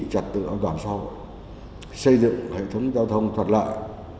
trật tự an toàn sau xây dựng hệ thống giao thông thuận lợi